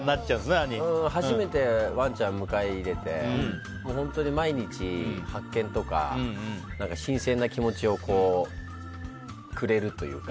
初めてワンちゃんを迎え入れて本当に毎日、発見とか新鮮な気持ちをくれるというか